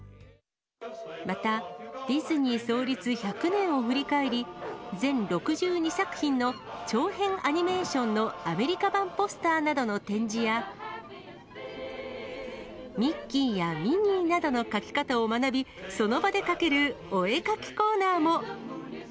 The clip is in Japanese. またディズニー創立１００年を振り返り、全６２作品の長編アニメーションのアメリカ版ポスターなどの展示や、ミッキーやミニーなどの描き方を学び、その場で描けるお絵描きコーナーも。